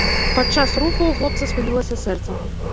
Падчас руху ў хлопца спынілася сэрца.